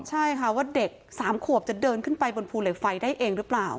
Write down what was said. อย่างนี้เค้าว่าเด็ก๓ขวบเจอเพราะพูนเหล็กไฟได้เองรึเปล่า